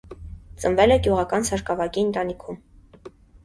Ծնվել է գյուղական սարկավագի ընտանիքում։